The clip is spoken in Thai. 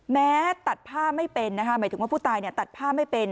แม้ตัดผ้าไม่เป็นนะคะหมายถึงว่าผู้ตายตัดผ้าไม่เป็น